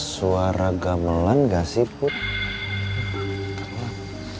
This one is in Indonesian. suara gamelan gak sih put